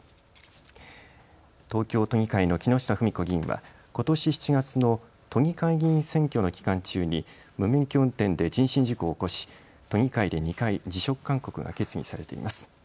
東京都議会の木下富美子議員はことし７月の都議会議員選挙の期間中に無免許運転で人身事故を起こし都議会で２回、辞職勧告が決議されています。